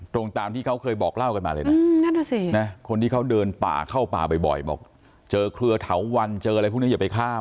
ตามที่เขาเคยบอกเล่ากันมาเลยนะคนที่เขาเดินป่าเข้าป่าบ่อยบอกเจอเครือเถาวันเจออะไรพวกนี้อย่าไปข้าม